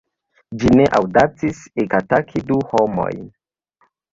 Ĝi ne aŭdacis ekataki du homojn.